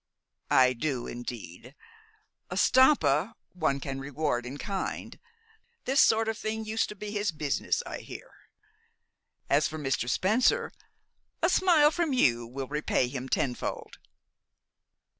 "I do, indeed. Stampa, one can reward in kind. This sort of thing used to be his business, I hear. As for Mr. Spencer, a smile from you will repay him tenfold."